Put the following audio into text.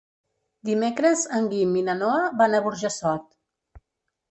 Dimecres en Guim i na Noa van a Burjassot.